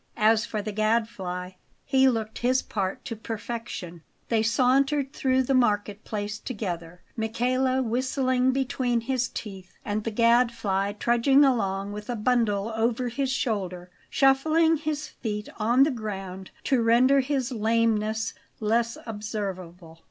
As for the Gadfly, he looked his part to perfection. They sauntered through the market place together, Michele whistling between his teeth, and the Gadfly trudging along with a bundle over his shoulder, shuffling his feet on the ground to render his lameness less observable.